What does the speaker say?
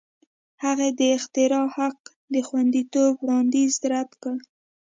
هغې د اختراع حق د خوندیتوب وړاندیز رد کړ.